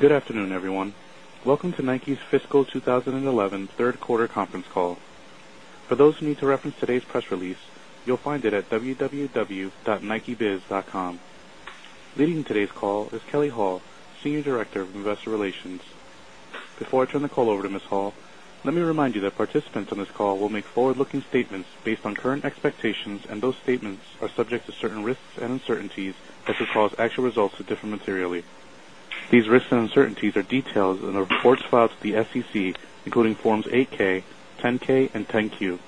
Good afternoon, everyone. Welcome to NIKE's Fiscal 2011 Third Quarter Conference Call. For those who need to reference today's press release, you'll find it at www.nikebiz.com. Leading today's call is Kelly Hall, Senior Director of Investor Relations. Before I turn the call over to Ms. Hall, let me remind you that participants on this call will make forward looking statements based on current expectations and those statements are subject to certain risks and uncertainties are detailed in our reports filed with the SEC, including Forms 8 ks, 10 ks and 10 Q.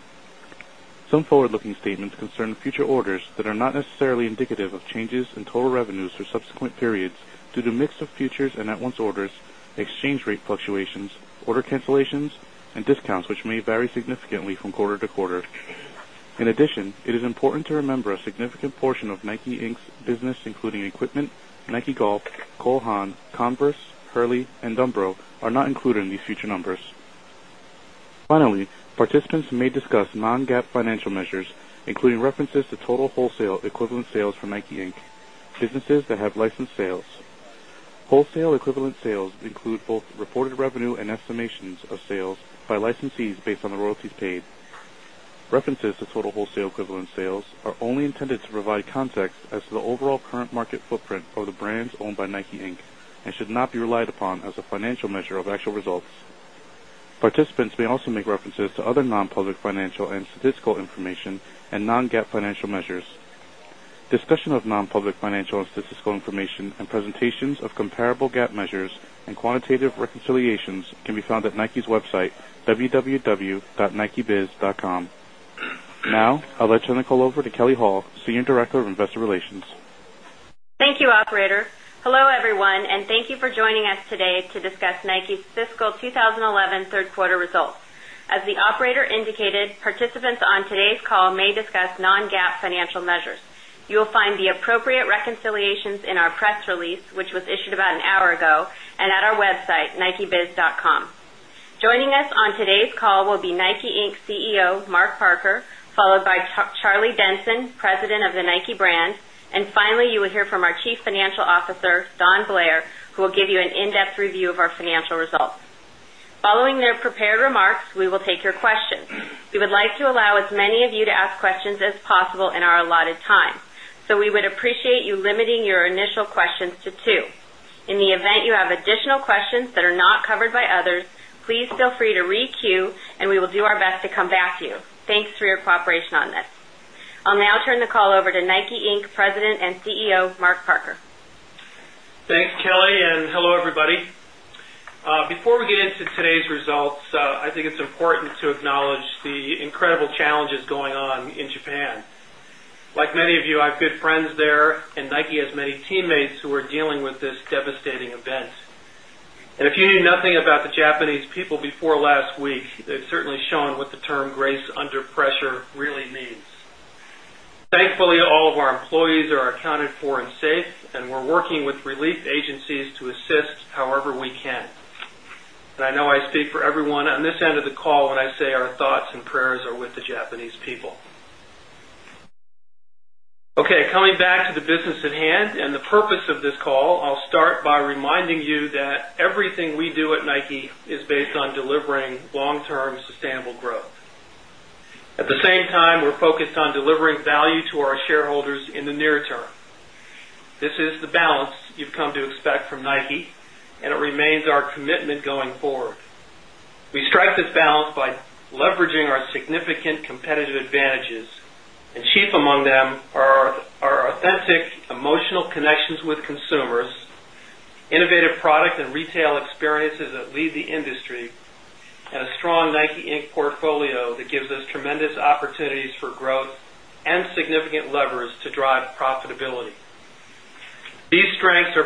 Some forward looking statements concern future orders that are not necessarily indicative of changes in total revenues for subsequent periods due to mix of futures and net one's orders, exchange rate fluctuations, order cancellations and discounts which may vary significantly from quarter to quarter. In addition, it is important to remember a significant portion of NIKE, Inc. Business including equipment, NIKE Golf, Cole Haan, Converse, Hurley and Dumbro are not included in these future numbers. Finally, participants may discuss non GAAP financial measures, including references to total wholesale equivalent sales from Nike Inc, businesses that have licensed sales. Wholesale equivalent sales include both reported revenue and estimations of sales by licensees based on the royalties paid. References to total wholesale equivalent sales are only intended to provide context as to the overall current market footprint of the brands owned by NIKE, Inc. And should not be relied upon as a financial measure of actual results. Participants may also make references to other non public financial and statistical information and non GAAP financial measures. Discussion of non public and statistical information and presentations of comparable GAAP measures and quantitative reconciliations can be found at NIKE's website, www.nikebiz com. Now, I'd like to turn the call over to Kelly Hall, Senior Director of Investor Relations. Thank you, operator. Hello, everyone, and thank you for joining us today to discuss NIKE's fiscal 20 11 Q3 results. As the operator indicated, participants on today's call may discuss non GAAP financial measures. You will find the appropriate reconciliations in our press release, which was issued about an hour ago, and at our website nikebiz.com. Joining us on today's call will be NIKE, Inc. CEO, Mark Parker followed by Charlie Denson, President of the Nike brand and finally, you will hear from our Chief Financial Officer, Don Blair, who will give you an in-depth review of our financial results. Following their prepared remarks, we will take your questions. We would like to allow as many of you to ask questions as possible in our allotted time. So we would appreciate you limiting your initial questions to 2. In the event you have additional questions that are not covered by others, please feel free to re queue and we will do our best to come back to you. Thanks for your cooperation on this. I'll now turn the call over to NIKE, Inc. President and CEO, Mark Parker. Thanks, Kelly, and hello, everybody. Before we get into today's results, I think it's important to acknowledge the with this devastating event. And if you knew nothing about the Japanese people before last week, they've certainly shown what the term grace under pressure really means. Thankfully, all of our employees are accounted for and safe and we're working with relief agencies to assist however we can. And I know I speak for everyone on this end of the call when I say our thoughts and prayers are with the Japanese people. Okay, coming back to the business at hand and the purpose of this call, I'll start by reminding you that everything we do at NIKE is based on delivering long term sustainable growth. At the same time, we're focused on delivering value to our shareholders in the near term. This is the balance you've come to expect from NIKE and it remains our commitment going forward. We strike this balance by leveraging our significant competitive advantages and chief among them are authentic emotional connections with consumers, innovative product and retail experiences that lead the industry and a strong NIKE, Inc. Portfolio that gives us tremendous opportunities for growth and significant levers to drive profitability. These strengths are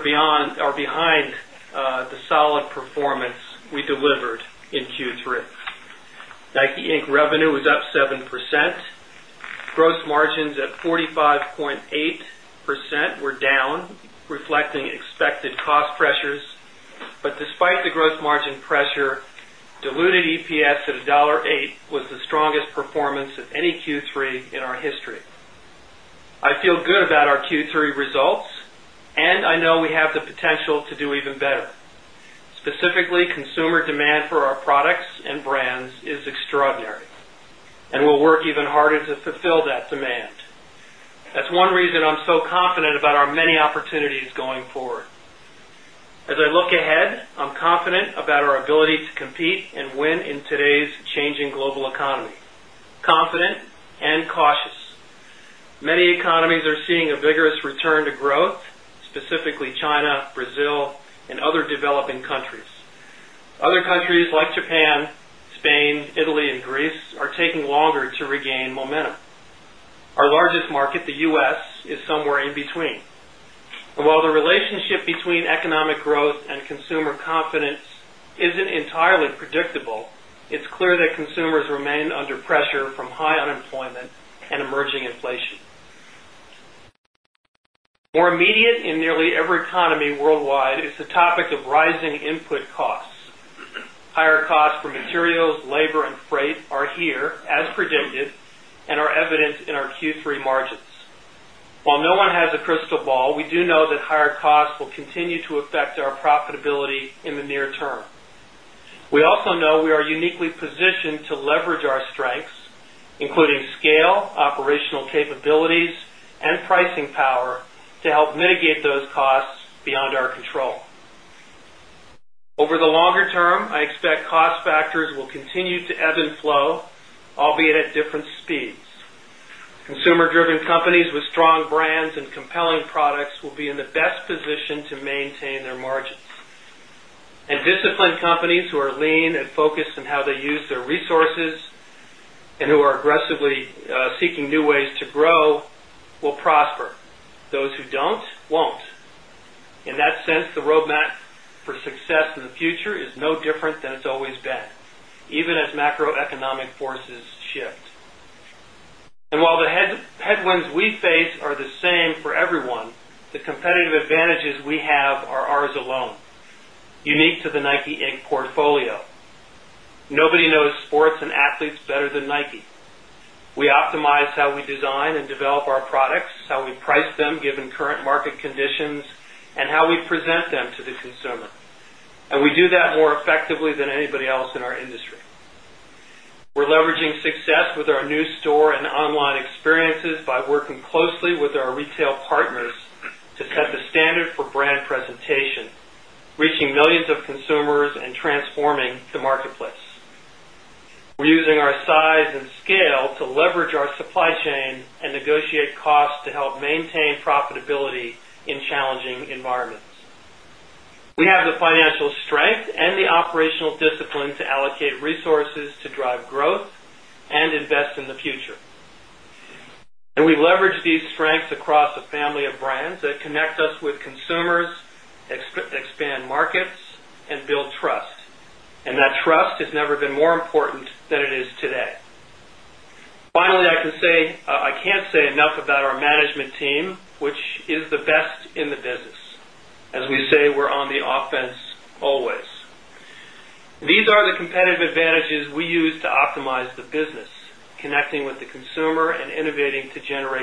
behind the solid performance we delivered in Q3. NIKE Inc. Revenue was up 7%. Gross margins at 45.8% were down reflecting expected cost pressures, but despite the gross margin pressure, diluted EPS of $1.08 was the strongest performance of any Q3 in our history. I feel good about our Q3 results and I know we have the potential to do even better. Specifically consumer demand for our products and brands is extraordinary and we'll work even harder to fulfill that demand. That's one reason I'm so confident about our many opportunities going forward. As I look ahead, I'm confident about our ability to compete and win in today's changing global economy, confident and cautious. Many economies are a vigorous return to growth, specifically China, Brazil and other developing countries. Other countries like Japan, Spain, Italy and Greece are taking longer to regain momentum. Our largest market, the U. S. Is somewhere in between. And while the relationship between economic growth and consumer confidence isn't entirely predictable, it's clear that consumers remain under pressure from high unemployment and emerging inflation. More immediate in nearly every economy worldwide is the topic of rising input costs. Higher costs for materials, labor and freight are here as predicted and are evidenced in our Q3 margins. While no one has a crystal ball, we do know that higher costs will continue to affect our profitability in the near term. We also know we are uniquely positioned to leverage our strengths, including scale, operational capabilities, pricing power to help mitigate those costs beyond our control. Over the longer term, I expect cost factors will continue to ebb and flow, albeit at different speeds. Consumer driven companies with strong brands and compelling products will be in the best position to maintain their margins. And disciplined companies who are lean and focused on how they use their resources and who are aggressively seeking new ways to grow will prosper. Those who don't, In that sense, the roadmap for success in the future is no different than it's always been, even as macroeconomic forces shift. And while the headwinds we face are the same for everyone, the competitive advantages we have are ours alone, unique to the NIKE, Inc. Portfolio. Nobody knows sports and athletes better than NIKE. We optimize how we design and develop our products, how we price them given conditions and how we present them to the consumer. And we do that more effectively than anybody else in our industry. We're leveraging success with our new store and online experiences by working closely with our retail partners to set the standard for brand presentation, reaching millions of consumers and transforming the marketplace. We're using our size and scale to leverage our supply chain and negotiate costs to help maintain profitability in challenging environments. We have the financial strength and the operational discipline to allocate resources to drive growth and invest in the future. And we've leveraged these strengths across a family of brands that connect us with consumers, expand markets and build trust. And that trust has never been more important than it is today. Finally, I can say I can't say enough about our management team, which is the best in the business. As we say, say, we're on the offense always. These are the competitive advantages we use to optimize the business, the see amazing potential for NIKE, Inc. And our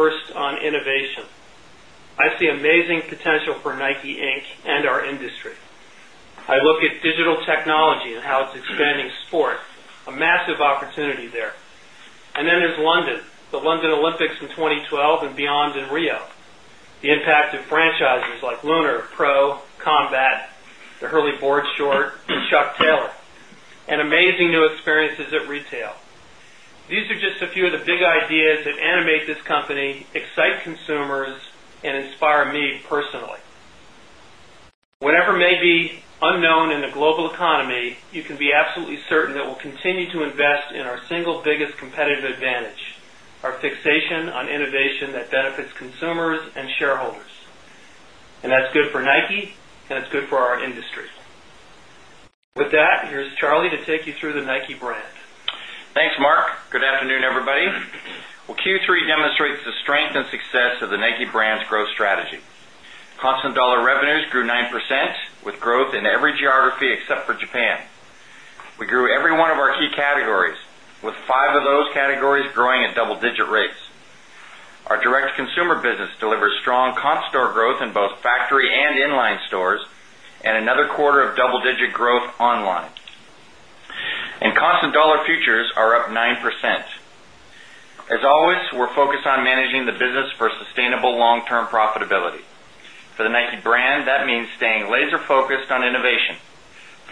industry. I see amazing potential for NIKE, Inc. And our industry. I look at digital technology and how it's expanding sport, a massive opportunity there. And then there's London, the London Olympics in 2012 and beyond in Rio, the impact of franchises like Lunar, Pro, Combat, The Hurley Ford Short and Chuck Taylor, and amazing new experiences at retail. These are just a few of the big ideas that animate this company, excite consumers and inspire me personally. Whatever may be unknown in the global economy, you can be absolutely certain that we'll continue to invest in our single biggest competitive advantage, industry. With that, here's Charlie to take you through the NIKE brand. Thanks, Mark. Good afternoon, everybody. Well, Q3 demonstrates the strength and success of the NIKE brand's growth strategy. Constant dollar revenues grew 9% with growth in every geography except for Japan. We grew every one of our key categories with 5 of those categories growing at double digit rates. Direct to consumer business delivered strong comp store growth in both factory and inline stores and another quarter of double digit growth online. And constant dollar futures are up 9%. As always, we're focused on managing the business for sustainable long term profitability. For the NIKE brand, that means staying laser focused on innovation.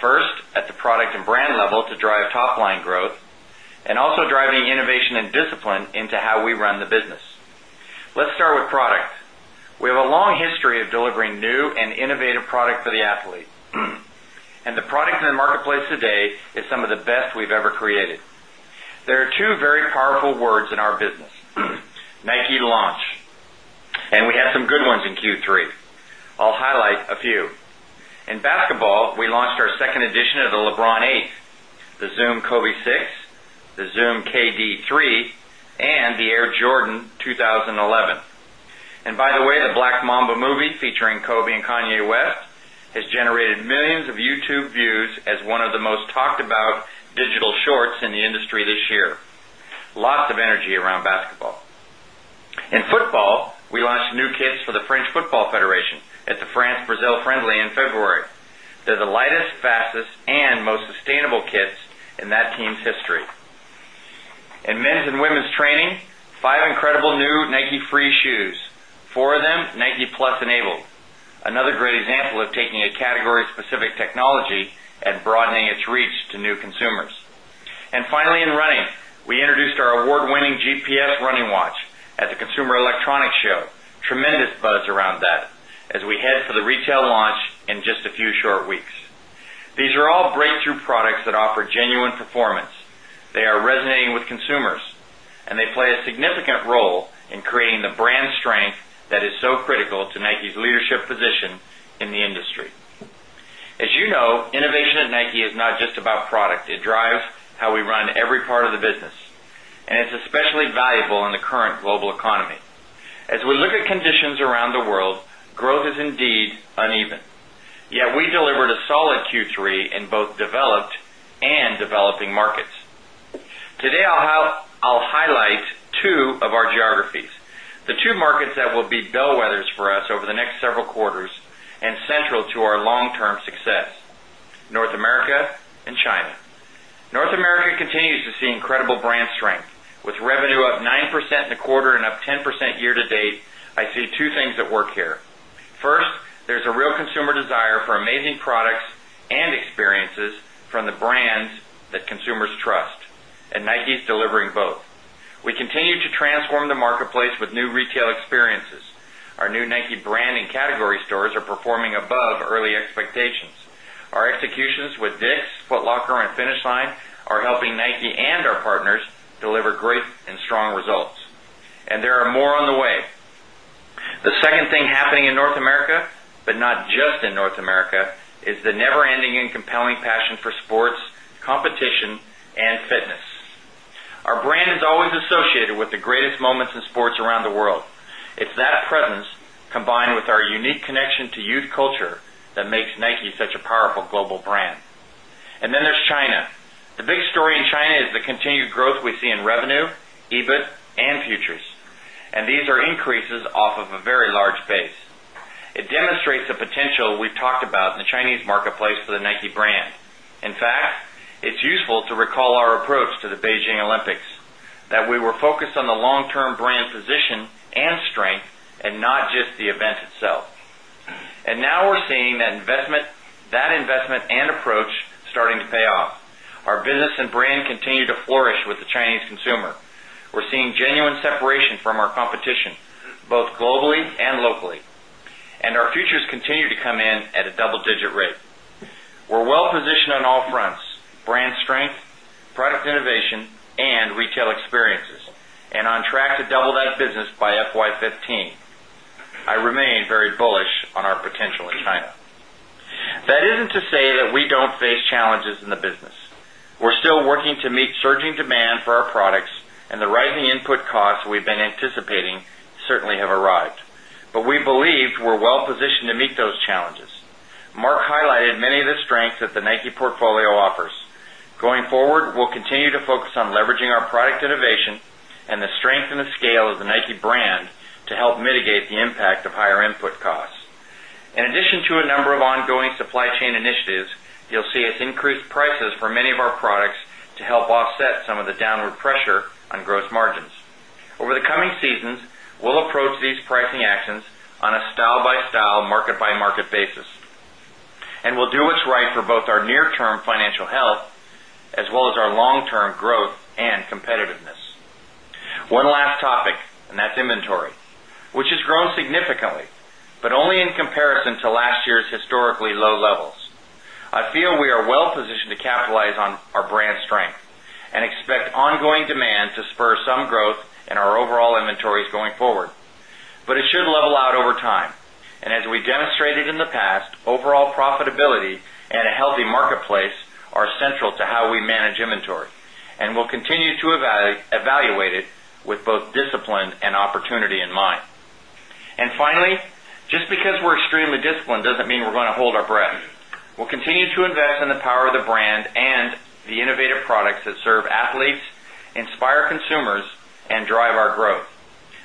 1st, at the product and brand level to drive top line growth and also driving innovation into how we run the business. Let's start with product. We have a long history of delivering new and innovative product for the athlete. And the product I'll highlight a few. In basketball, we launched our 2nd edition of the LeBron 8, the Zoom Kobe 6, the Zoom KD3 and the Air Jordan 2011. And by the way, the Black Mamba movie featuring Kobe and Kanye West has generated millions of YouTube views as one of the most talked about digital shorts in the industry this year, lots of energy around the lightest, fastest and most sustainable kits in that team's history. In men's and women's training, 5 incredible new Nike free shoes, 4 of them Nike Plus enabled, another great example of taking a category specific technology and broadening its reach to new consumers. And finally, in running, we introduced our award winning GPS running watch at the Consumer Electronics Show, tremendous buzz around that as we head for the retail launch in just a few short weeks. These are all breakthrough products that offer genuine performance. They are resonating with consumers and they play a significant role in creating the brand strength that is so critical to NIKE's leadership position in the industry. As you know, innovation at NIKE is not just about product, it drives how we run every part of the business, and it's especially valuable in the current global economy. As we look at conditions around the world, growth is indeed uneven. Yet, we delivered a solid Q3 in both developed and developing markets. Today, I'll highlight 2 of our geographies. The 2 markets that will be bellwethers for us over the next several quarters and revenue up 9% in the quarter and up 10% year to date, I see 2 things at work here. First, there is a real consumer desire for amazing products and experiences from the brands that consumers trust and NIKE is delivering both. We continue to transform the marketplace with new retail experiences. Our new Nike brand and category stores are performing above early expectations. Our executions with Dick's Foot Locker and Finish Line are helping Nike and our partners deliver great and strong results. And there are more on the way. The second thing happening in North America, not just in North America, is the never ending and compelling passion for sports, competition and fitness. Our brand is always associated with the greatest moments in sports around the world. It's that presence combined with our unique connection to youth culture that makes NIKE such a powerful global brand. And then there's China. The big story in China is the continued growth we see in revenue, marketplace for the Nike brand. In fact, it's useful to recall our approach to the Beijing Olympics that we were focused on the long term to pay off. Our business and brand continue to flourish with the Chinese consumer. We're seeing genuine separation from our competition, both globally and locally. And our futures continue to come in at a double digit rate. We're well positioned on all fronts, brand strength, product innovation and retail experiences and on track to double that business by FY the business. We're still working to meet surging demand for our products and the rising input costs we've been anticipating certainly have arrived. But we believe we're well positioned to meet those challenges. Mark highlighted many of the strengths that the NIKE portfolio offers. Going forward, we'll addition to a number of addition to a number of ongoing supply chain initiatives, you'll see us increase prices for many of our products to help offset some of the downward pressure on gross margins. Over the coming seasons, we'll approach these pricing actions on a style by style, market by market basis. And we'll do what's right for both our near term financial health as well as our long term growth and competitiveness. One last topic, and that's inventory, which has grown significantly, but only in comparison to last year's historically low levels. I feel we are well positioned to capitalize on our brand strength and expect ongoing demand to spur some growth in our overall inventories going forward, but it should level out over time. And as we demonstrated in the past, overall profitability and a healthy marketplace are central to how we manage inventory, and we'll continue to evaluate it with both discipline and opportunity in mind. And finally, just because we're extremely disciplined doesn't mean we're going to hold our breath. We'll continue to invest in the power of the brand and the innovative products that serve athletes, inspire consumers and drive our growth.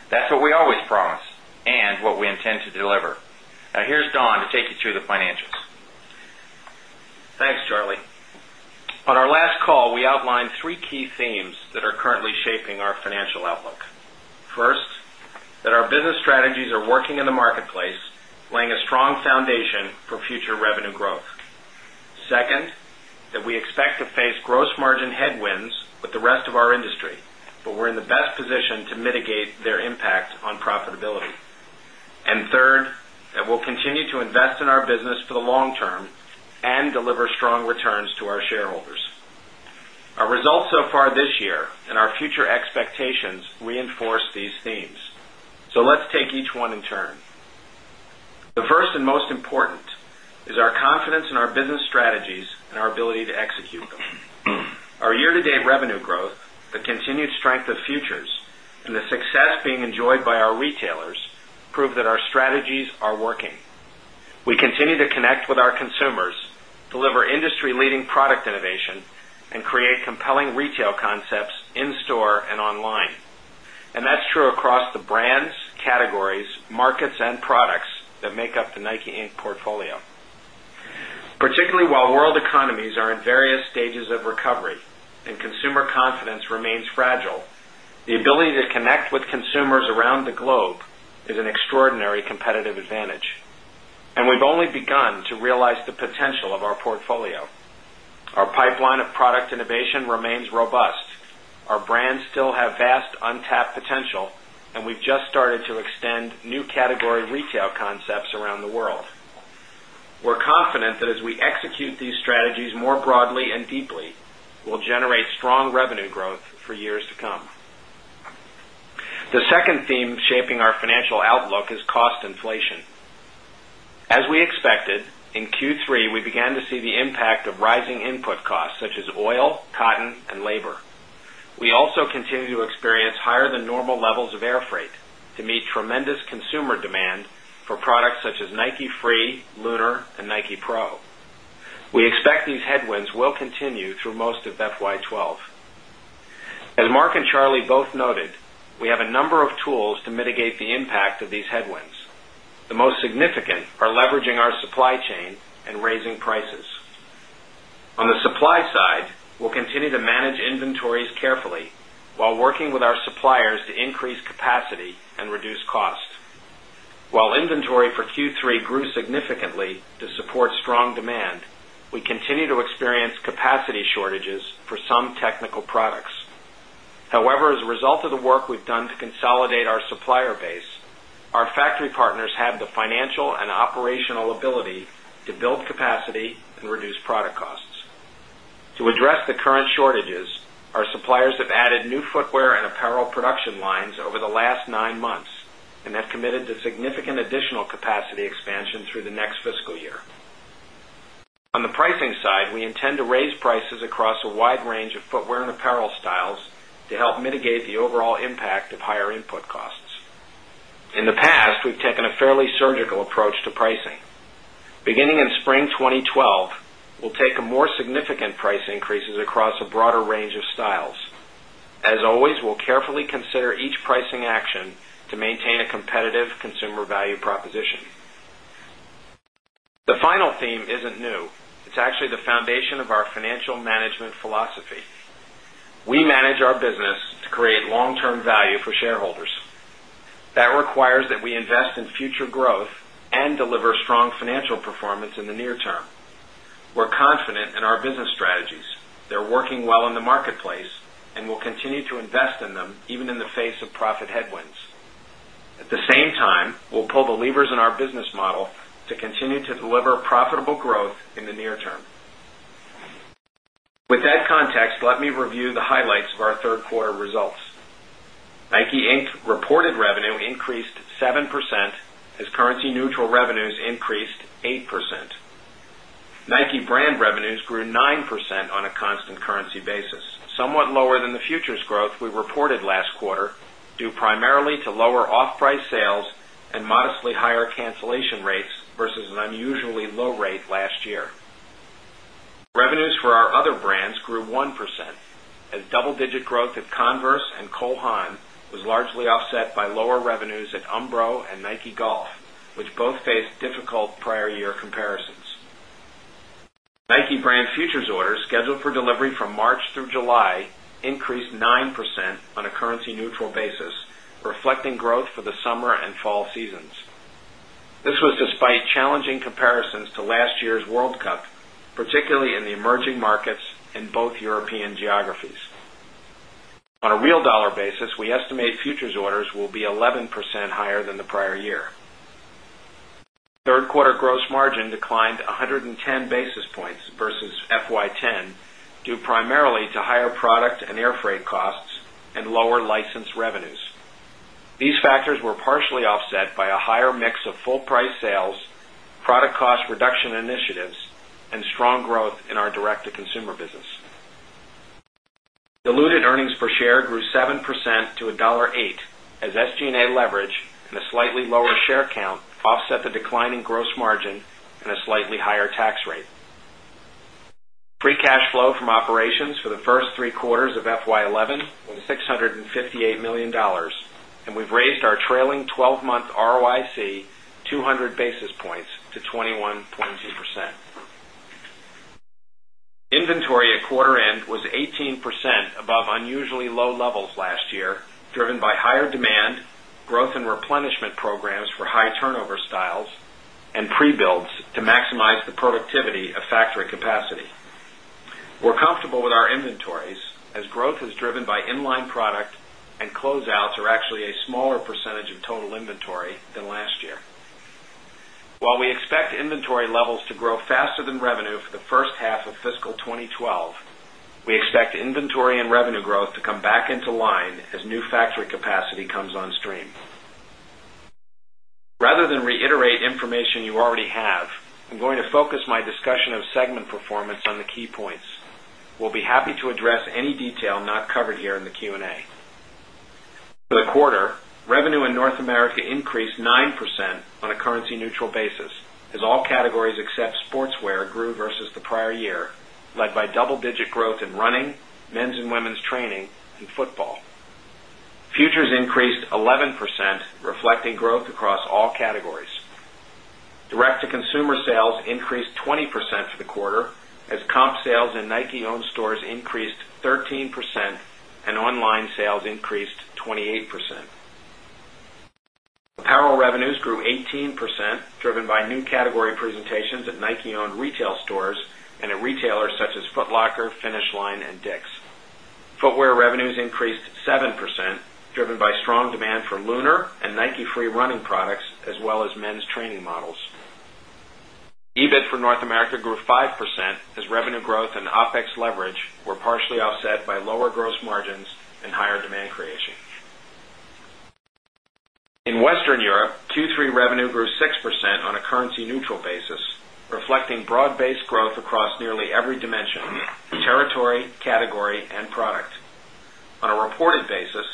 That's what we always promise and what we intend to deliver. Now here's Don to take you through the financials. Thanks, Charlie. On our last call, we outlined 3 key themes that are currently shaping our financial outlook. 1st, that our business strategies are working in the marketplace, laying foundation for future revenue growth. 2nd, that we expect to face gross margin headwinds with the rest of our industry, but we're in the best position to mitigate their impact on profitability. And third, that we'll continue to invest in our business for the long term and deliver strong returns to our shareholders. Our results so far this year and our future expectations reinforce these themes. So let's take each one in turn. The first and most important is our confidence in our business strategies and our ability to execute them. Our year to date revenue growth, the continued strength of futures and the success being enjoyed by our retailers prove that our strategies are working. We continue to connect with our consumers, deliver industry leading product innovation and create compelling retail concepts in store and online. And that's true across the brands, categories, markets and products that make up the NIKE, Inc. Portfolio. Particularly while world economies are in various stages of recovery and consumer confidence remains fragile, the ability to connect with consumers around the globe is an extraordinary competitive advantage. And we've only begun to realize the potential of our portfolio. Our pipeline of product innovation remains robust. Our brands still have vast untapped potential and we've just started to extend new category retail concepts around the world. We're confident that as we execute these strategies more broadly and deeply, we'll generate strong revenue growth for years to come. The second theme shaping our financial outlook is cost inflation. As we expected, in Q3, we began to see the impact of rising input costs, such as oil, cotton and labor. We also continue to experience higher than normal levels of airfreight to meet tremendous consumer demand for products such as Nike Free, Lunar and Nike Pro. We expect these headwinds will continue through most of FY 'twelve. As Mark and Charlie both noted, we have a number of tools to mitigate the impact of these headwinds. The most significant are leveraging our supply chain and raising prices. On the supply side, we'll continue to manage inventories carefully, while working with our suppliers to increase capacity and reduce cost. While inventory for Q3 grew significantly to support strong demand, we continue to experience capacity shortages for some technical products. However, as a result of the work we've done to consolidate our supplier base, our factory partners have the financial and operational ability to build capacity and reduce product costs. To address current shortages, our suppliers have added new footwear and apparel production lines over the last 9 months and have committed to significant additional capacity expansion through the next fiscal year. On the pricing side, we intend to raise prices across a wide range of footwear and apparel styles to help mitigate the overall impact of higher input costs. In the past, we've taken a fairly surgical approach to pricing. Beginning in spring actually the foundation of our financial management philosophy. We manage our business to create long term value for shareholders. That requires that we invest in future growth and deliver strong financial performance in the near term. We're confident in our business strategies. They're working well in the marketplace and we'll continue to invest in them even in the face of profit headwinds. At the same time, we'll pull the levers in our business model to continue to deliver profitable growth in the near term. With that context, let me review the highlights of our 3rd NIKE to lower off price sales and modestly higher cancellation rates versus an unusually low rate last year. Revenues for our other brands grew 1% as double digit growth at Converse and Cole Haan was largely offset by lower orders scheduled for delivery from March through July increased 9% on a currency neutral basis, reflecting growth for the summer and fall seasons. This was despite challenging comparisons to last year's World Cup, particularly in the emerging markets in both European geographies. On a real dollar basis, we estimate futures orders will be 11% higher than the prior year. 3rd quarter gross margin declined 110 basis points versus FY 'ten due primarily to higher product and airfreight costs and lower license revenues. These factors were partially offset by a higher mix of full price sales, product cost reduction initiatives and strong growth in our direct to consumer business. Diluted earnings per share grew 7% to 1 $0.08 as SG and A leverage and a slightly lower share count offset the decline in gross margin and a slightly higher tax rate. Free Free month ROIC 200 basis points to 21.2%. Inventory at quarter end was 18% above unusually low levels last year, driven by higher demand, growth and replenishment We're comfortable with our inventories as growth is driven by in line product and closeouts are actually a smaller percentage of total inventory than last year. We expect inventory levels to grow faster than revenue for the first half of fiscal twenty twelve, we expect inventory and revenue growth to come back into line as new factory capacity comes on stream. Rather than reiterate information you already have, I'm going to focus my discussion of segment performance on the key points. We'll be happy to address any detail not covered here in the Q and A. For the quarter, revenue in North America increased 9% on a currency neutral basis as all categories except sportswear grew versus the prior year, led by double digit growth in running, men's and women's training and football. Futures increased 11%, reflecting growth across all categories. Direct to consumer sales increased 20% for the quarter as comp sales in NIKE owned stores increased 13% and online sales increased 28%. Apparel revenues grew 18%, driven by new category presentations at NIKE owned retail stores and a retailer such as Foot Locker, Finish Line and Dick's. Footwear revenues increased 7%, driven by strong demand for Lunar and Nike Free Running products as well men's training models. EBIT for North America grew 5% as revenue growth and OpEx leverage were on a currency neutral basis, reflecting broad based growth across nearly every dimension, territory, category and product. On a reported basis,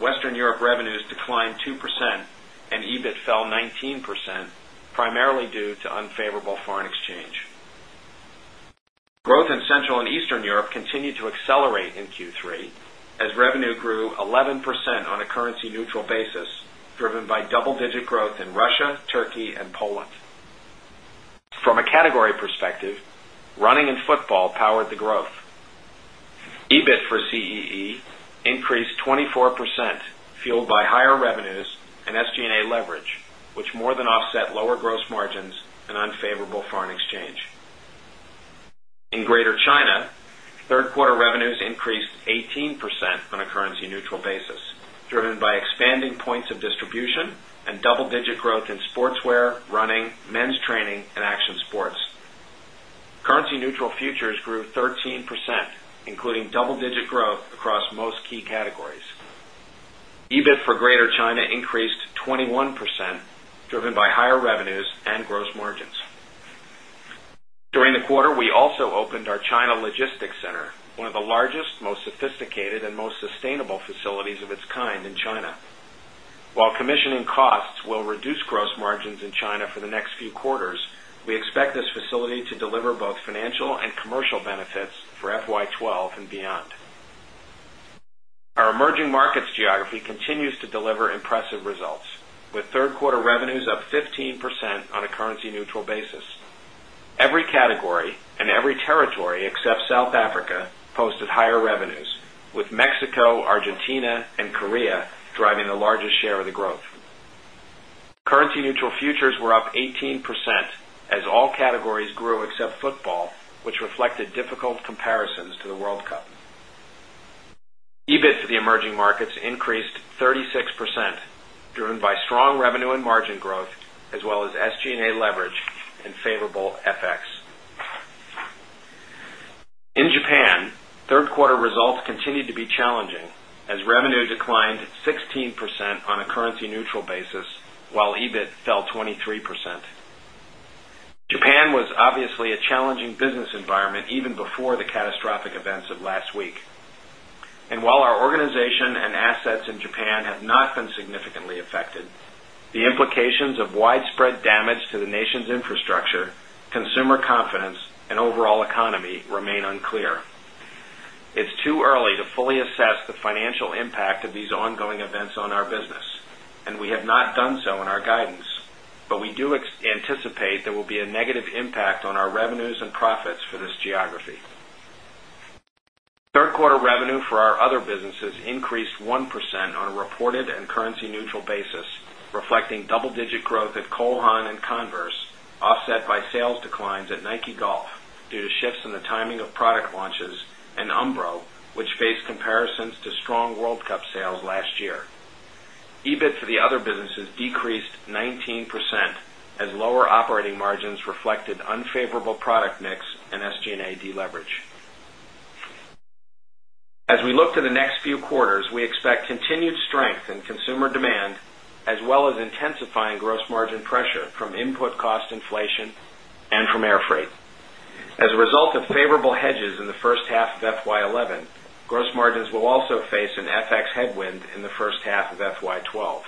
Western Europe revenues declined 2% and EBIT fell 19%, primarily due to unfavorable foreign exchange. Growth in Central and Eastern Europe continued to accelerate in Q3 as revenue grew 11% on a currency neutral basis, driven by powered the growth. EBIT for CEE increased 24% fueled by higher revenues and SG and A leverage, which more than offset lower gross margins and unfavorable foreign exchange. In Greater China, 3rd quarter revenues increased 18% on a currency neutral basis, driven by expanding points of distribution and double digit growth in sportswear, running, men's training and action sports. Currency neutral futures grew 13%, including double digit growth across most key categories. EBIT for Greater China increased 21%, driven by higher revenues and gross margins. During the quarter, we also opened our China Logistics Center, one of the largest, most sophisticated and most sustainable facilities of its kind in China. While commissioning costs will reduce gross margins in China for the next few quarters, we expect this facility to deliver both financial and commercial benefits for FY 2012 and beyond. Our emerging markets geography continues to deliver impressive results with 3rd quarter revenues up 15% on a currency neutral basis. Every category and every territory except South Africa Currency neutral futures were up 18% as all categories grew except football, which reflected difficult comparisons growth as well as SG and A leverage and favorable FX. In Japan, 3rd quarter results continued to be challenging as revenue declined 16% on a currency neutral basis, while EBIT fell 23 percent. Japan was obviously a challenging business environment even before the catastrophic events of last week. And while our organization and assets in Japan have not been significantly affected, the implications of widespread damage to the nation's infrastructure, consumer confidence and overall economy remain unclear. It's too early to fully assess the financial impact of these ongoing events on our business and we have done so in our guidance, but we do anticipate there will be a negative impact on our revenues and profits for this geography. 3rd quarter revenue for our other businesses increased 1% on a reported and currency neutral basis, reflecting double digit at Cole Haan and Converse, offset by sales declines at Nike Golf due to shifts in the timing of product launches and Umbro, which faced comparisons to strong World Cup sales last year. EBIT for the other businesses decreased 19% as lower operating margins reflected unfavorable product mix and SG and A deleverage. As we look to the next few quarters, we expect continued strength in consumer demand as well as intensifying gross margin pressure from input cost inflation and from airfreight. A result of favorable hedges in the first half of FY 'eleven, gross margins will also face an FX headwind in the first half of FY 'twelve.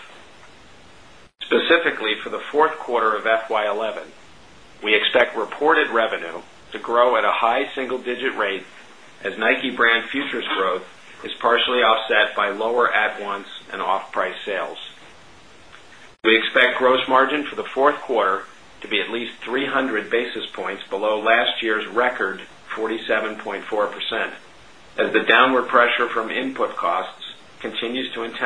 Specifically for the Q4 of FY 'eleven, we expect reported revenue to grow at a high single digit rate as NIKE brand futures growth is partially offset by lower at once and off price sales. We expect gross margin for the 4th quarter to be at least 300 basis points below last year's record 47.4 percent as the downward pressure from input costs continues to anniversary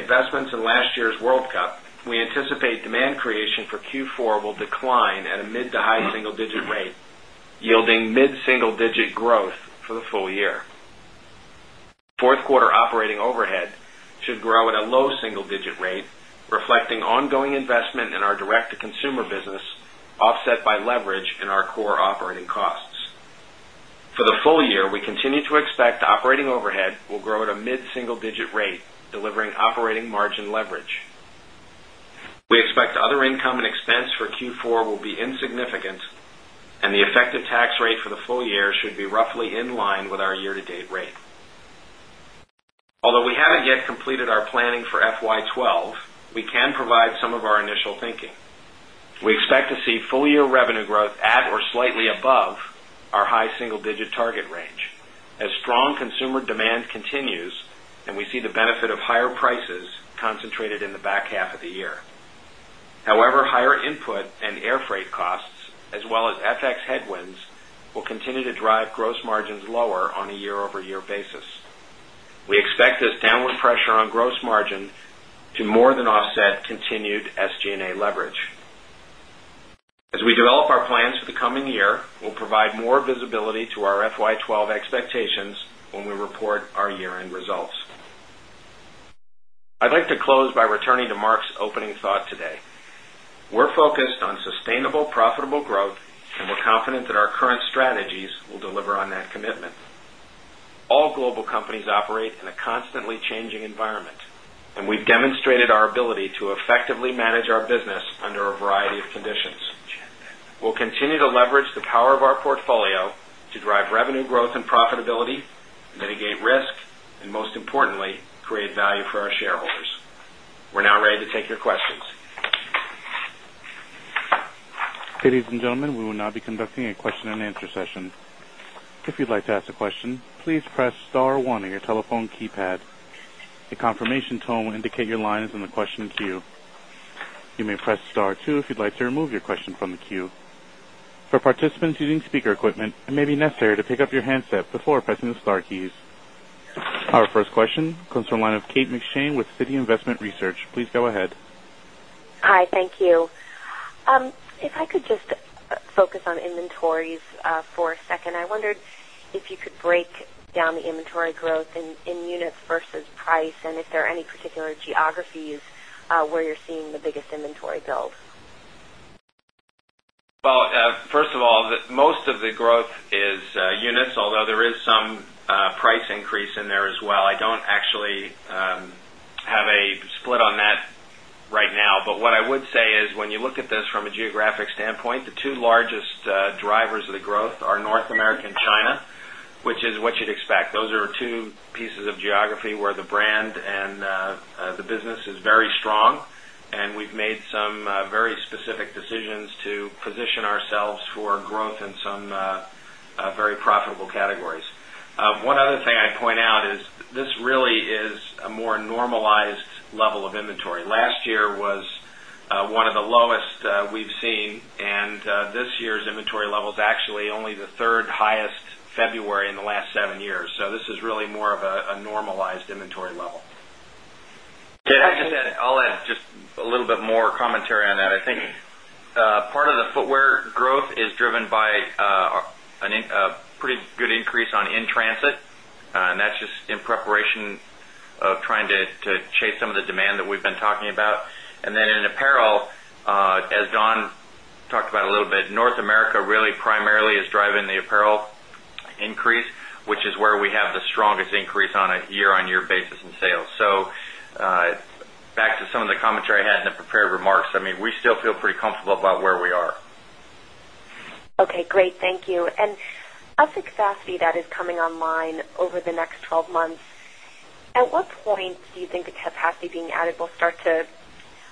investments in last year's World Cup, we anticipate demand creation for Q4 will decline at a mid to high single digit rate, yielding mid single digit growth for the full year. 4th quarter operating overhead should grow at a low single digit rate, reflecting ongoing investment in our direct to consumer business, offset by leverage in our core operating costs. For the full year, we continue to expect operating overhead will grow at a mid single digit rate, delivering operating margin leverage. We expect other income and expense for Q4 will be insignificant and the effective tax rate for the full year should be roughly in line with our year to date rate. Although we haven't yet completed our planning for FY 'twelve, we can provide some of our initial thinking. We expect to see will continue to drive gross margins lower on a year over year basis. We expect this downward pressure on gross margin to more than offset continued SG and A leverage. As we develop our plans for the coming year, we'll provide more visibility to our FY 'twelve expectations when we report our year end results. I'd like to close by returning to Mark's opening thought today. We're focused on sustainable profitable growth and we're confident that our current strategies will deliver on that commitment. All global companies operate in a constantly changing environment and we've demonstrated our ability to effectively manage our business under a variety of conditions. We'll continue to leverage the power of our portfolio to drive revenue growth and profitability, mitigate risk and most importantly, create value for our shareholders. We're now ready to take your questions. Break down the inventory growth in units versus price and if there are any particular geographies where you're seeing the biggest inventory build? Well, first of all, most of the growth is units, although there is some price increase in there as well. I don't actually have a split on that right now. But what I would say is, when you look at this from a geographic standpoint, the 2 largest drivers of the growth are North America and China, which is what you'd expect. Those are the 2 largest and the business is very strong and we've made some very specific decisions to position ourselves for growth in some very profitable categories. One other thing I'd point out is this really is a more normalized level of inventory. Last year was one of the lowest we've seen and this year's inventory levels actually only the 3rd highest February in the last 7 years. So this is more of a normalized inventory level. I'll add just a little bit more commentary on that. I think part of the footwear growth is driven by a pretty good increase on in transit and that's just in preparation trying to chase some of the demand that we've been talking about. And then in apparel, as Don talked about a little bit, North America really primarily is driving the apparel increase, which is where we have the strongest increase on a year on year basis in sales. So back to some of the commentary I had in the prepared remarks, I mean, we still feel pretty comfortable about where we are. Okay, great. Thank you. Our capacity that is coming online over the next 12 months, at what point do you think the capacity being added will start to,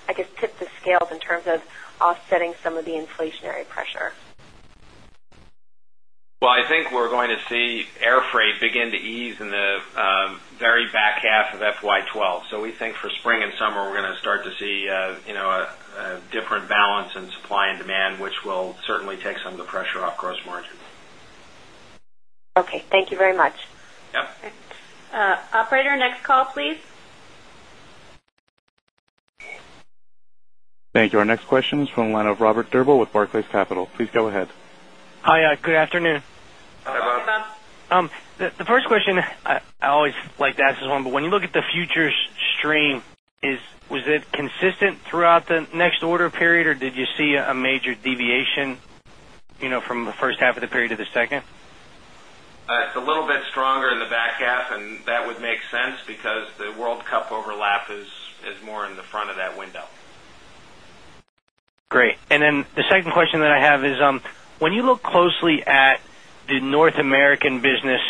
I guess, tip the scale in terms of offsetting some of the inflationary pressure? Well, I think we're going to see airfreight begin to ease in the very back half of FY 'twelve. So we think for spring and summer, we're going to start to see a different balance in supply and demand, which will certainly take some of the pressure off gross margin. Okay, thank you. Thank you. Our next question is from the line of Robert Drbul with Barclays Capital. Please go ahead. Hi, good afternoon. The first question, I always like to ask this one, but when you look at the future stream, was consistent throughout the next order period or did you see a major deviation from the first half of the period to the second? It's a little bit stronger in the back half and that would make sense because the World Cup overlap is more in the front of that window. Great. And then the second question that I have is, when you look closely at the North American business,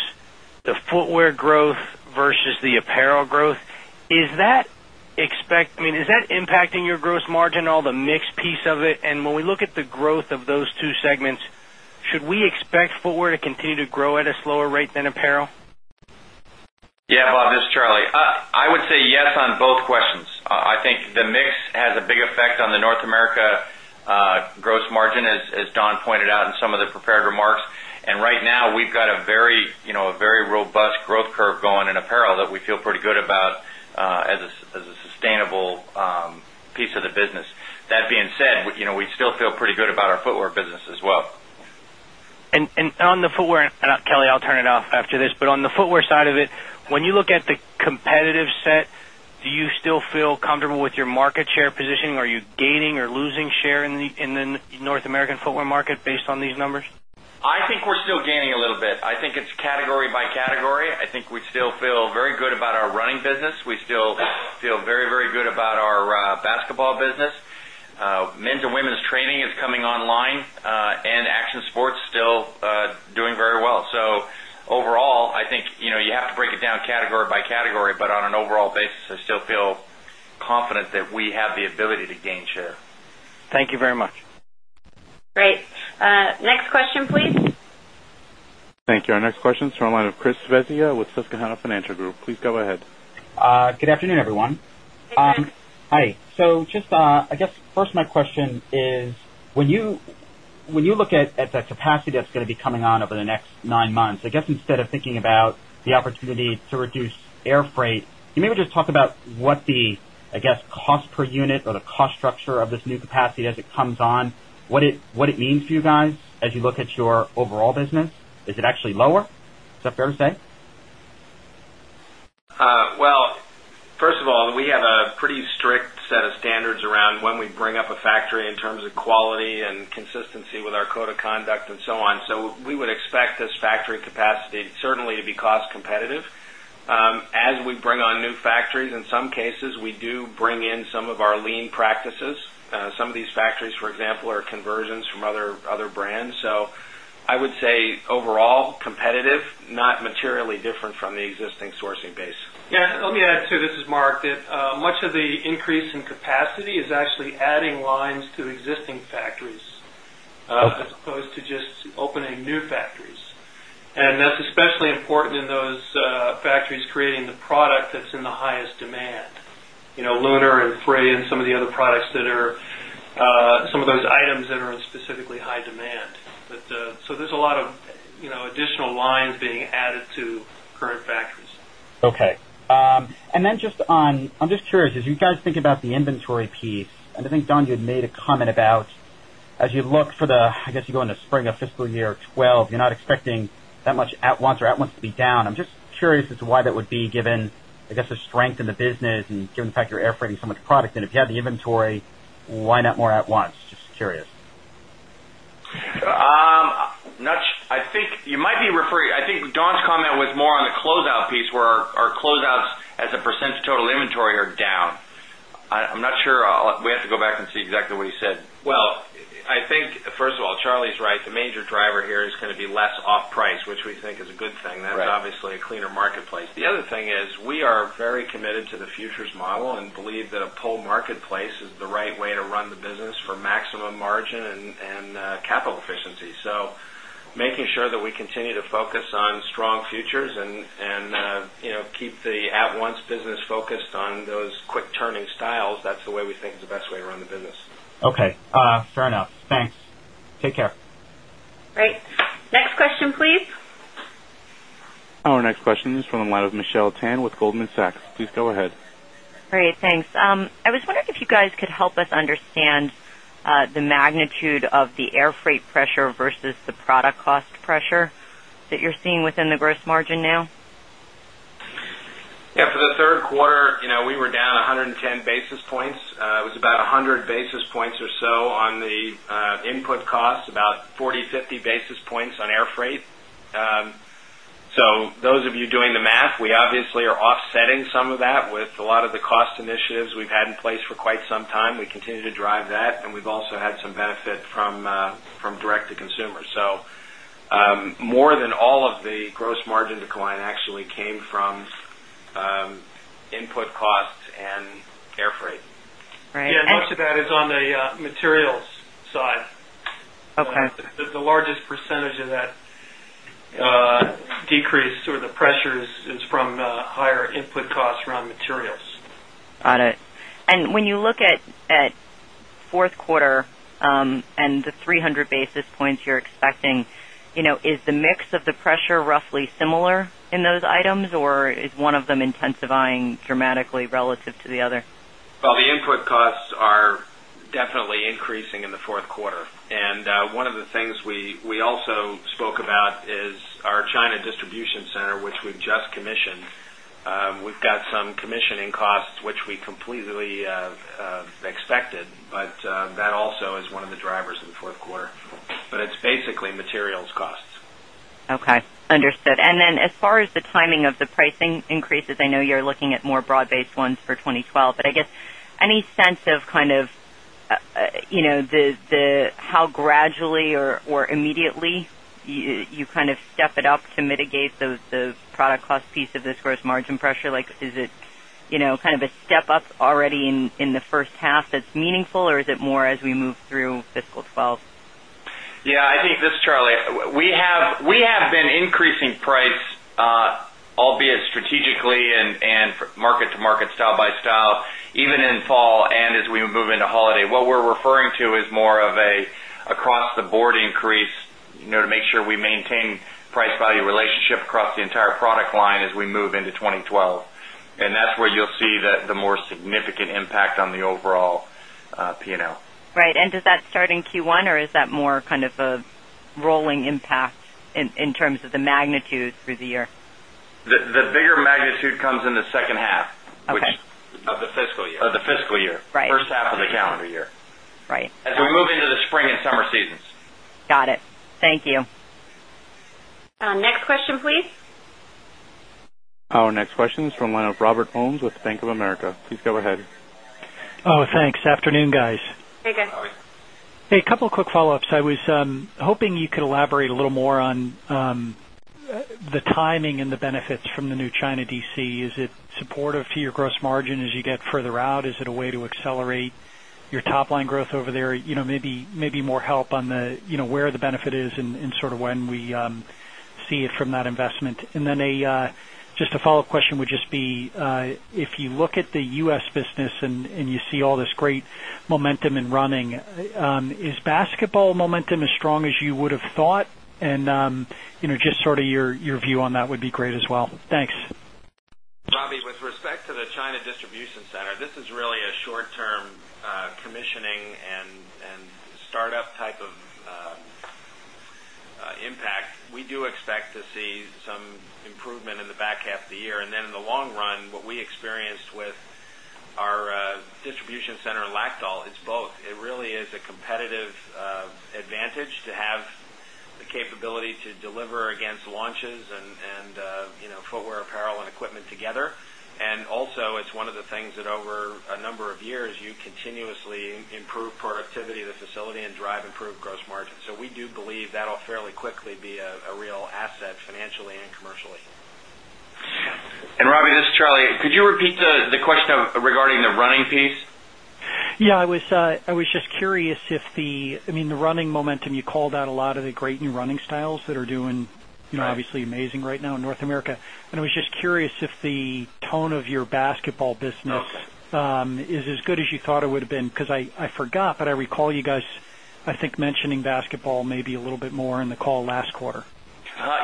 the footwear the apparel growth, is that impacting your gross margin, all the mix piece of it? And when we look at the growth of those two segments, should we expect footwear to continue to grow at a slower rate than apparel? Yes, Bob, this is Charlie. I would say yes on both questions. I think the mix has a big effect on the North America gross margin as Don pointed out in some of the prepared remarks. And right now, we've got a very robust growth curve going in apparel that we feel pretty good about as a sustainable piece of the business. That being said, we still feel pretty good about our footwear business as well. And on the footwear and Kelly, I'll turn it off after this, but on the footwear side of it, when you look at the competitive set, do you still feel comfortable with your market share positioning? Are you gaining or losing share in the North American footwear market based on these numbers? I think we're still gaining a little bit. I think it's category by category. I think we still feel very good about our running business. We still feel very, very good about our basketball business. Men's and women's training is coming online and action sports still doing very well. So overall, I think you have to break it down category by category, but on an overall basis, I still feel confident that we have the ability to gain share. Thank you very much. Great. Next question please. Thank you. Our next question is from the line of Chris Vezia with Susquehanna Financial Group. Please go ahead. Good afternoon, everyone. So just I guess first my question is when you look at the capacity that's going to be coming on over the next 9 months, I guess instead of thinking about the opportunity to reduce airfreight, can you maybe just talk about what the, I guess, cost per unit or the cost structure of this new capacity as it comes on? What it means for you guys as you look at your overall business? Is it actually lower? Is that fair to say? Well, first of all, we have a pretty strict set of standards around when we bring up a factory in terms of quality and consistency with our code of conduct and so on. So we would expect this factory capacity certainly to be cost competitive. As we bring on new factories, in some cases, we do bring in some of lean practices. Some of these factories, for example, are conversions from other brands. So I would say overall competitive, not materially different from the existing sourcing base. Yes. Let me add to this is Mark that much of the increase in capacity is actually adding lines to existing factories as opposed to just opening new factories. And that's especially important in those factories creating Lunar and Frey and some of the other products that are some of those items that are in specifically high demand. But so there's a lot of additional lines being added to current factories. Okay. And then just on I'm curious as you guys think about the inventory piece and I think Don you had made a comment about as you look for the I guess you go into spring of fiscal year 'twelve, you're not expecting that much or at once to be down. I'm just curious as to why that would be given, I guess, the strength in the business and given the fact you're airfreighting so much product. And if you have the inventory, why not more at once? Just curious. I think you might be referring I think comment was more on the closeout piece where our closeouts as a percent of total inventory are down. I'm not sure we have to go back and see exactly what you said. Well, I think first of all, Charlie is right, the major driver here is going to be less off price, which we think is a good thing. That's obviously a cleaner marketplace. The other thing is, we are very committed to the futures model and believe that a pull marketplace is the right way to run the business for maximum margin and capital efficiency. So, making sure that we continue to focus on strong futures and keep the at once business focused on those quick turning styles. That's the way we think is the best way to run the business. Okay, fair enough. Thanks. Take care. Right. Next question please. Our next question is from the line of Michelle Tan with Goldman Sachs. Please go ahead. Great. Thanks. I was wondering if you guys could help us understand the magnitude of the airfreight pressure versus the product cost pressure that you're seeing within the gross margin now? Yes. For the Q3, we were down 110 basis points. It was about 100 basis points or so on the input costs, about 40 basis points, 50 basis points on air freight. So those of you doing the math, we obviously are offsetting some of that with a lot of the cost initiatives we've had in place for quite some time. We continue to drive that and we've also had some benefit from direct to consumer. So, more than all of the gross margin decline actually came from input costs and airfreight. Right. Yes, most of that is on the materials side. The largest percentage of that decrease or the pressure is from higher input costs around materials. Got it. And when you look at 4th quarter and the 300 basis points you're expecting, is the mix of the pressure roughly similar in those items or is one of them intensifying dramatically relative to the other? Well, the input costs are definitely increasing in the Q4. And one of the things we also spoke about is our distribution center, which we've just commissioned. We've got some commissioning costs, which we completely expected, but that also is one of the drivers in the Q4, but it's basically materials costs. Okay, understood. Then as far as the timing of the pricing increases, I know you're looking at more broad based ones for 2012, but I guess any sense of kind of the how gradually or immediately you kind of step it up to mitigate it more it more as we move through fiscal 2012? Yes, I think this is Charlie. We have been increasing price, albeit strategically and market to market, style by style, even in fall and as we move into holiday. What we're referring to is more of an across the board increase to make sure we maintain price value relationship across the entire product line as we move into 2012. And that's where you'll see the more significant impact on the overall P and L. Right. And does that start in Q1 or is that more kind of a rolling impact in terms of the magnitude through the year? The bigger magnitude comes in the second half, which Okay. Of the fiscal year. Of the fiscal year. Right. First half of the calendar year. Right. As we move into the spring and summer seasons. Got it. Thank you. Next question please. Our next of quick follow ups. I was hoping you could elaborate a little more on the timing and the benefits from the new China DC. Is it supportive to your gross margin as you get further out? Is it a way to accelerate your top line growth over there? Maybe more help on the where the benefit is and sort of when we see it from that investment? And then just a follow-up question would just be, if you look at the U. S. Business and you see all this great momentum in running, Is basketball momentum as strong as you would have thought? And just sort of your view on that would be great as well. Thanks. Robbie, with respect to the China distribution center, this is really a short term commissioning and then in the long run, what we experienced with our then in the long run, what we experienced with our distribution center, Lactol, it's both. It really is a competitive advantage to have the capability to deliver against launches and footwear, apparel equipment together. And also it's one of the things that over a number of years you continuously improve productivity of the facility and drive improved gross margin. So, we do believe that will fairly quickly be a real asset financially and commercially. And Robbie, this is Charlie. Could you repeat the question regarding the running piece? Yes, I was just curious if the I mean the running momentum you called out a lot of the great new running styles that are doing obviously amazing right now in North America. And I was just curious if the tone of your basketball business is as good as you thought it would have been because I forgot, but I recall you guys, I think mentioning basketball maybe a little bit more in the call last quarter.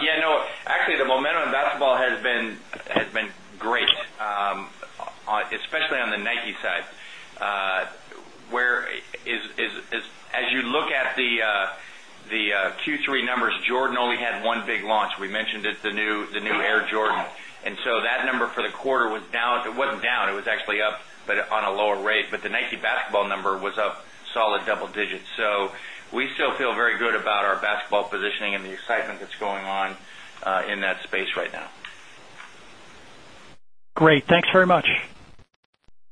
Yes. No, actually the momentum of basketball has been great, especially on the Nike side, where as you look at the Q3 numbers, Jordan only had one big launch. We mentioned it the new Air Jordan. And so that number for the Nike basketball number was up solid double digits. So, we still feel very good about our basketball positioning and the excitement that's going on in that space right now. Great. Thanks very much.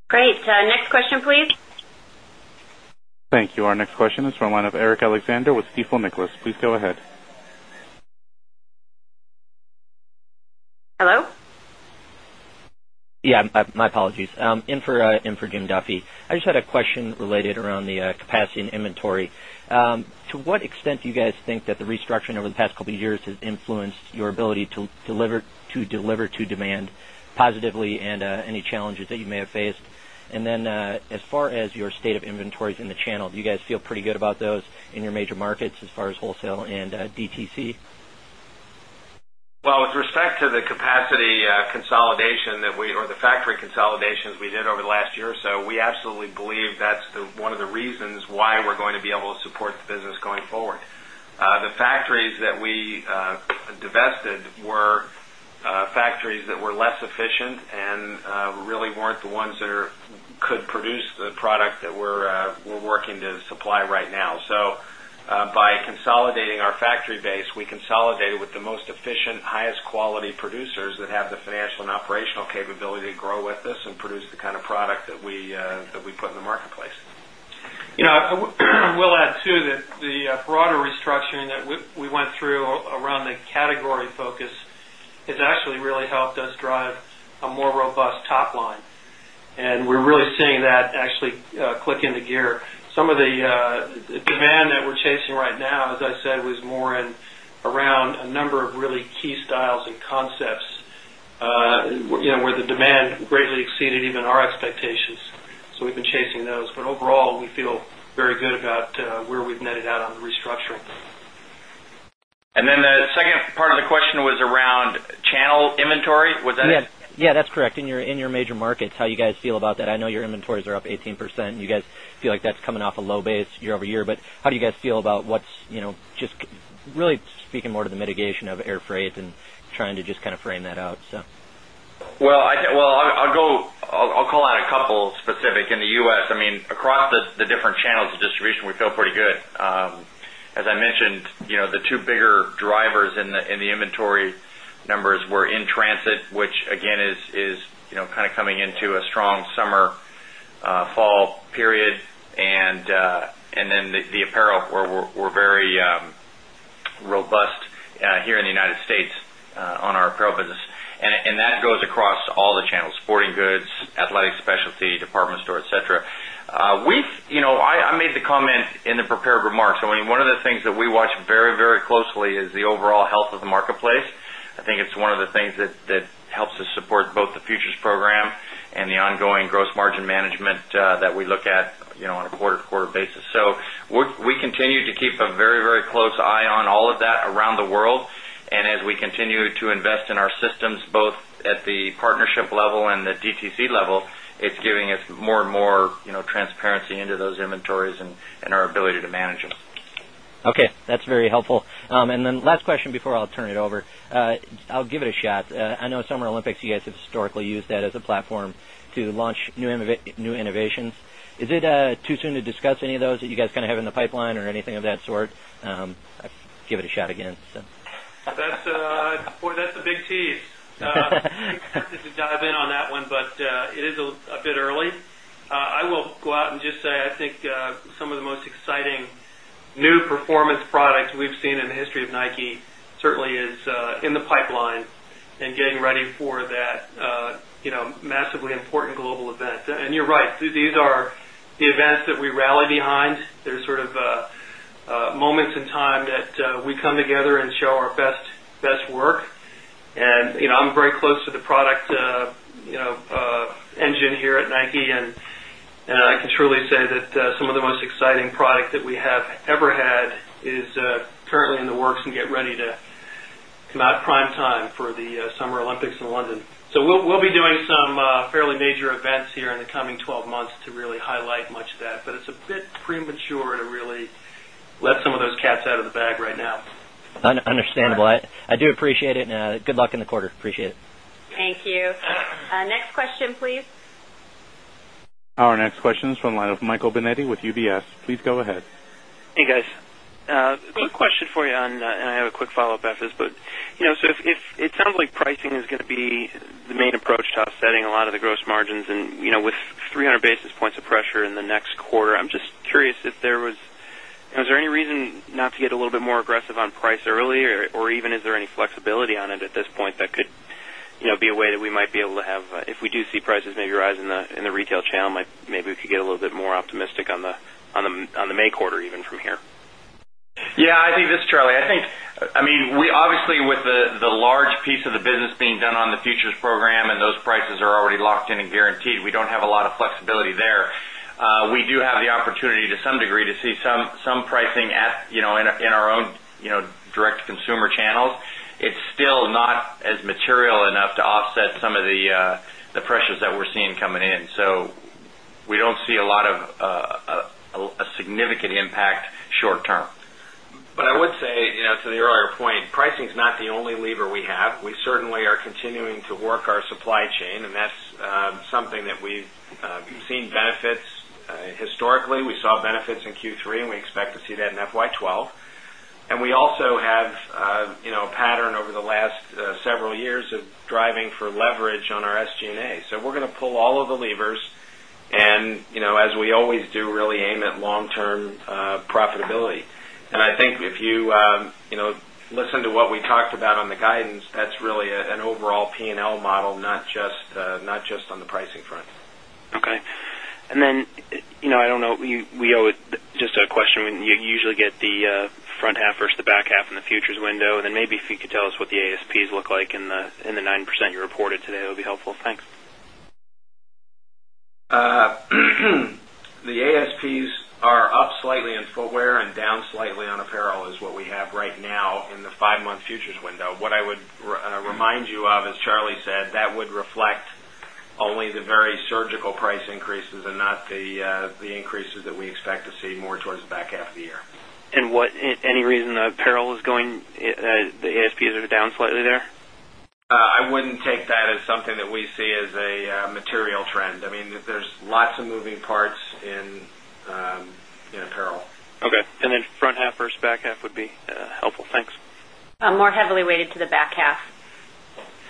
Great. Next Next question please. Thank you. Our next question is from the line of Eric Alexander with Stifel Nicolaus. Please go ahead. Hello? Yes, my apologies. In for Jim Duffy. I just had a question related around the capacity in inventory. To what extent do you guys think that the restructuring over the past couple of years has influenced your ability to deliver to demand positively and any challenges that you may have faced? And then as far as your state of inventory in the channel, do you guys feel pretty good about those in your major markets as far as wholesale and DTC? Well, with respect to the capacity consolidation that we or the factory consolidations we did over the last year or so, we absolutely believe that's one of the reasons why we're going to be able to efficient and really weren't the ones that are could produce the product that we're working to supply right now. So, by with this and produce the kind of product that we put in the marketplace. Okay. And then, with us and produce the kind of product that we put in the marketplace. I will add to that the broader restructuring that we went through around the category focus has actually really helped us drive a more robust top line. And we're really seeing that actually click into gear. Some of the demand that we're chasing right now, as I said, was more in around a number of really key styles and concepts where the demand greatly exceeded even our expectations. So we've been chasing those. But overall, we feel very good about where we've netted out the restructuring. And then the second part of the question was around channel inventory. Was that Yes, that's correct. In your major markets, how you guys feel about that? I know your inventories are up 18%. You guys feel like that's coming off a low base year over year. But how do you guys feel about what's just really speaking more to the mitigation of airfreight and trying to just kind of frame that out? And trying to just kind of frame that out. Well, I'll call out a couple specific. In the U. S, I mean across the different channels of distribution, we feel pretty good. As I mentioned, the 2 bigger drivers in the inventory numbers were in transit, which again is kind of coming into a strong summer fall period and then the apparel were very robust here in the United States on our apparel business. And that goes across all the channels, sporting goods, athletic specialty, department store, etcetera. We've I made the comment in the prepared remarks, I mean, one of the things that we watch very, very closely is the overall health of the marketplace. I think it's one of the things that helps us support both the futures program and the ongoing gross margin management that we look at on a quarter to quarter basis. So, we continue to keep a very, very close eye on all of that around the world. And as we continue to invest in our systems, both at the transparency into those inventories and our ability to manage them. Okay, that's very helpful. And then last question before I'll turn it over. I'll give it a shot. I know Summer Olympics, guys have historically used that as a platform to launch new innovations. Is it too soon to discuss any of those that you guys kind of have in the pipeline or anything of that sort? Give it a shot again. That's a big tease. I think I've been on that one, but it is a bit early. I will go out and just say, I think some of the most exciting new performance products we've seen in the history of NIKE certainly is in the pipeline and getting ready for that massively important global event. And you're right, these are the events product engine here at NIKE. And product engine here at NIKE. And I can truly say that some of the most exciting product that we have ever had is currently in the works and get ready to come out prime time for the Summer Olympics in London. So, we'll be doing some fairly major events here in the coming 12 months to really highlight much of that, but it's a bit premature to really let some of those cats out of the bag right now. Understandable. I do appreciate it and good luck in the quarter. Appreciate it. Thank you. Question please. Our next question is from the line of Michael Binetti with UBS. Please go ahead. Hey guys. Quick question for you on and I have a quick follow-up after this, but it sounds like pricing is going to be the main approach to offsetting a lot of the gross margins and with 300 basis points of pressure in the next quarter. I'm just curious if there was is there any reason not to get a little bit more aggressive on price earlier or even is there any flexibility on it at this point that could be a way that we might be able to have if we do see prices maybe rise in the retail channel, maybe we could get a little bit more on the May quarter even from here? Yes, I think this is Charlie. I think I mean, we obviously with the large piece of the business being done on the futures program and those prices are already locked in and guaranteed, we don't have a lot of flexibility there. We do have the opportunity to some degree to see some pricing at in our own direct to consumer channels. It's still not as material enough to offset some of the pressures that we're seeing coming in. So, we don't see a lot of a significant impact short term. But I would say, to the earlier point, pricing is not the only lever we have. We certainly are continuing to work our supply chain and that's something that we've seen benefits historically. We saw benefits in Q3 and we expect to see that in FY 2012. And we also have a pattern over the last several years of driving for leverage on our SG and A. So we're going to pull all of the levers and as we always do really aim at long term profitability. And I think if you listen to what we talked about on the guidance, that's really an overall P and L model, not just on the pricing front. Okay. And then, I don't know, we owe it just a question, when you usually get the front half versus the back half in the futures window. And then maybe if you could tell us what the ASPs look like in the 9% you reported today, it will be helpful. Thanks. The ASPs are up slightly in footwear and down slightly on apparel is what we have right now in the 5 month futures window. What I would remind you of as Charlie said, that would reflect only the very surgical price increases and not the increases that we expect to see more towards the back half of the year. And what any reason the apparel is going the ASPs are down slightly there? I wouldn't take that as something that we see as a material trend. I mean, there's lots of moving parts apparel. Okay. And then front half versus back half would be helpful. Thanks. More heavily weighted to the back half.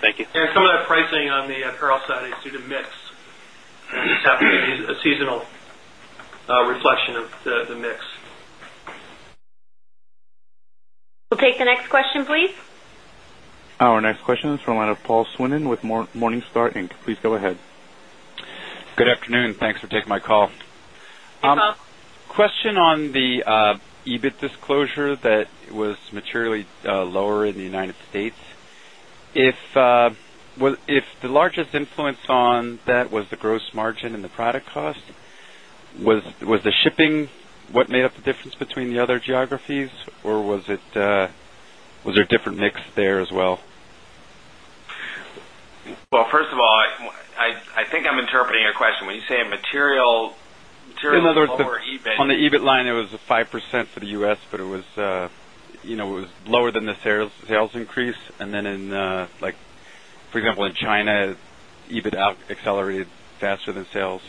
Thank you. Some of that pricing on the apparel side is due to mix, just have to be a seasonal reflection of the mix. We'll take the next question please. Our next question is from the line of Paul Swinon with Morningstar Inc. Please go ahead. Good afternoon. Thanks for taking my call. Good afternoon. Question on the EBIT disclosure that was materially lower in United States. If the largest influence on that was the gross margin and the product cost, was the shipping what made up the difference between the other geographies or was it was there a different mix there as well? First of all, I think I'm interpreting your question. When you say material lower EBIT? On the EBIT line, it was 5% for the U. S, but it was lower than the sales increase and then in like, for example, in China, EBIT accelerated faster than sales?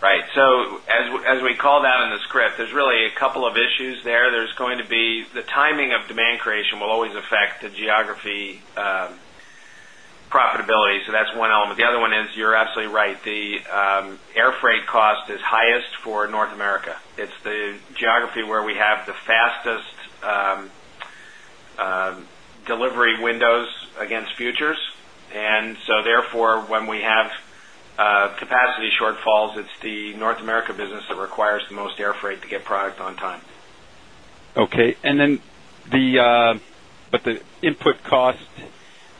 Right. So, as we call that in the script, there's really a couple of issues there. There's going to be the timing of demand creation will always affect the geography profitability. So that's one element. The other one is you're absolutely right. The airfreight cost is highest for North America. It's the geography where we have the fastest business that requires the most airfreight to get product on time. Okay. And then the but the input cost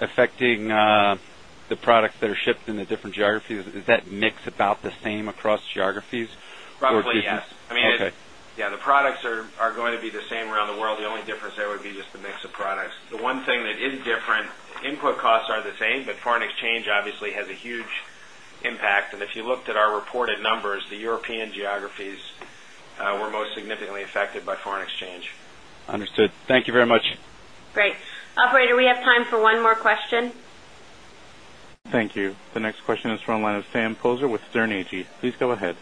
affecting The but the input cost affecting the products that are shipped in the different geographies, is that mix about the same across geographies? Roughly, yes. I mean, yes, the products are going to be the same around the world. The only difference there would be just the mix of products. The one thing that is different, input costs are the same, but foreign exchange obviously has a huge impact. And if you looked at our reported numbers, the European geographies were most significantly affected by foreign exchange. Great. Operator, we have time for one more question. Thank you. The next question is from the line of Sam Poser with Stern AG. Please go ahead.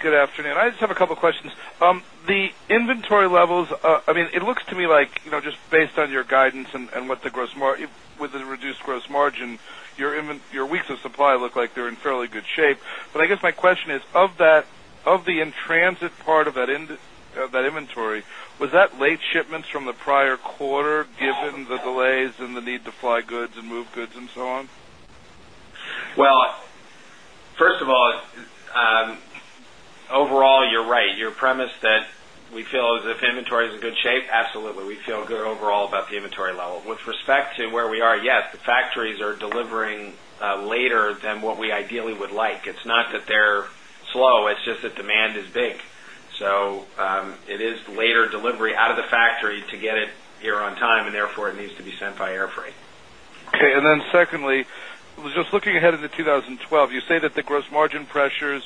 Good afternoon. I just have a couple of questions. The inventory levels, it looks to me like just based on your guidance and what the gross margin with the reduced gross margin, your weeks of supply look like they're in fairly good shape. But I guess my question is, of that of the in transit part of that inventory, that late shipments from the prior quarter given the delays and the need to fly goods and move goods and so on? Well, first of all, overall, you're right. Your premise that we feel is if inventory is in good shape, absolutely, we feel good overall about the inventory level. With respect to where we are, yes, the factories are delivering later than what we ideally would like. It's not that they're slow, it's just demand is big. So, it is later delivery out of the factory to get it here on time and therefore it needs to be sent by airfreight. Okay. And then secondly, just looking ahead of the 2012, you say that the gross margin pressures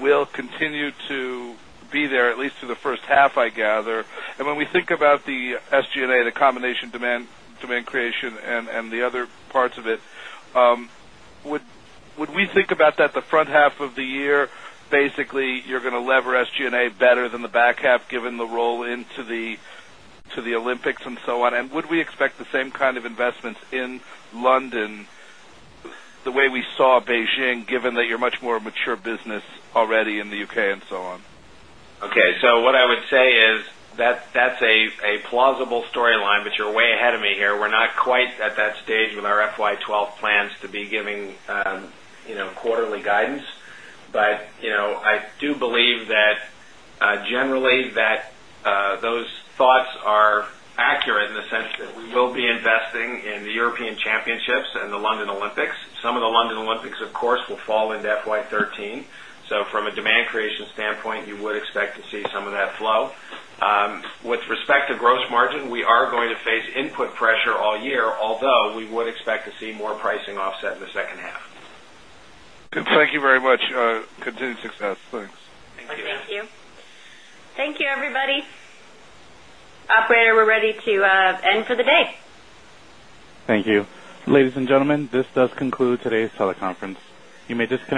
will continue to be there at least through the first half I gather. And when we think about the SG and A, the combination demand creation and the other parts of it, would we think about that the front half of the year, basically you're going to lever SG and A better than the back half given the roll into the Olympics and so on? And would we expect the same kind of investments in London the way we saw Beijing given that you're much more mature business already in the UK and so on? Okay. So what I would say is that that's a plausible storyline, but you're way ahead of me here. We're not quite at that stage with our FY 'twelve plans to be giving quarterly guidance. But I do believe that generally that those thoughts are accurate in the sense that we will be investing in the European championships and the London Olympics. Some of the London Olympics, of course, will fall into FY 'thirteen. So from a demand creation standpoint, you would expect to see some of that flow. With respect to gross margin, we are going to face input pressure all year, although we would expect to see more pricing offset in the second half. Thank you very much. Continued success. Thanks. Thank you. Thank you, everybody. Operator, we're ready to end for the day. Thank you. Ladies and gentlemen, this does conclude today's teleconference. You may disconnect.